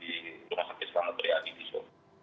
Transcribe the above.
di rumah sakit selamat ria adi di solo